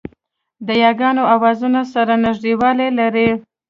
د یاګانو آوازونه سره نږدېوالی لري